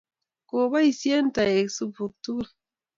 kiboishe toek supuk togul.